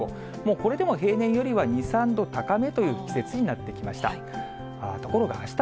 これでも平年よりは２、３度高めという季節になってきました。